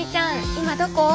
今どこ？